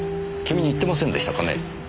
君に言ってませんでしたかね？